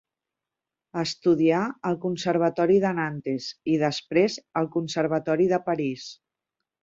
Estudià al Conservatori de Nantes i després al Conservatori de París.